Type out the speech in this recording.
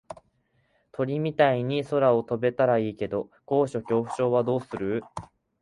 鳥みたいに空を飛べたらいいけど高所恐怖症はどうする？